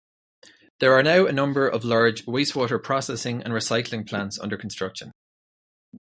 There are now a number of large wastewater processing and recycling plants under construction.